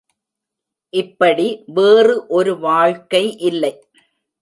இப்படி வேறு ஒரு வாழ்க்கை இல்லை,.